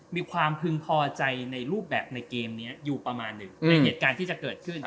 มีความพึงพอใจในรูปแบบในเกมนี้อยู่ประมาณหนึ่งในเหตุการณ์ที่จะเกิดขึ้น